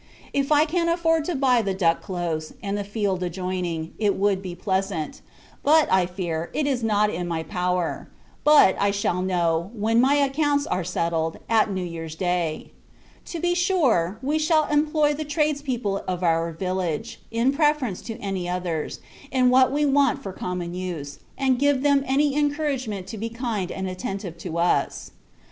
If I can afford to buy the Duck Close, and the field adjoining, it would be pleasant; but, I fear, it is not in my power: but, I shall know, when my accounts are settled, at New Year's Day. To be sure, we shall employ the trades people of our village, in preference to any others, in what we want for common use, and give them every encouragement to be kind and attentive to us.